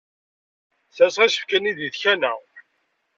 Sserseɣ isefka-nni deg tkanna.